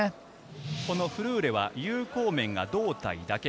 フルーレは有効面が胴体だけ。